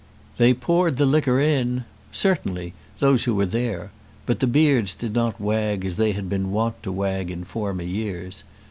"They poured the liquor in," certainly, those who were there; but the beards did not wag as they had been wont to wag in former years.